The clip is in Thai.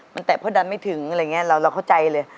มันแตกเพราะดันไม่ถึงเราเข้าใจเลย